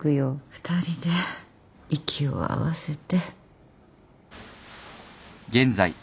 ２人で息を合わせて